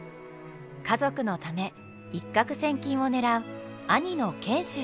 家族のため一獲千金を狙う兄の賢秀。